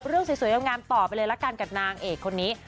เรื่องสวยงามต่อไปเลยละกันกับนางเอกคนนี้